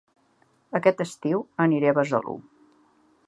Aquest estiu aniré a Besalú